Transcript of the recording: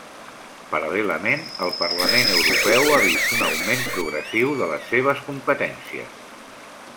Paral·lelament, el Parlament Europeu ha vist un augment progressiu de les seves competències.